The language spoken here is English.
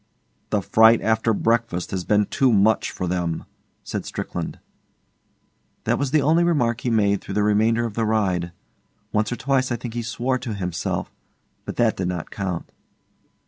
'The fright after breakfast has been too much for them,' said Strickland. That was the only remark he made through the remainder of the ride. Once or twice I think he swore to himself; but that did not count.